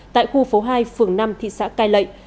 tại khu phố hai phường năm thị xã cai lệ